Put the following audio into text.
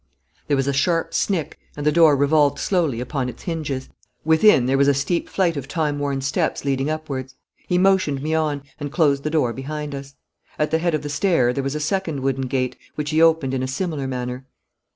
There was a sharp snick, and the door revolved slowly upon its hinges. Within there was a steep flight of time worn steps leading upwards. He motioned me on, and closed the door behind us. At the head of the stair there was a second wooden gate, which he opened in a similar manner.